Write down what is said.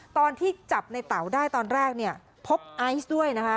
ตอนที่จับในเต๋าได้ตอนแรกเนี่ยพบไอซ์ด้วยนะคะ